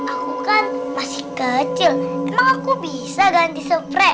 aku kan masih kecil emang aku bisa ganti seprek